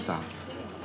sesama anak bangsa